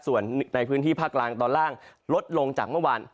ส่วนในพื้นที่ภาคกลางตอนล่างลดลงจากเมื่อวาน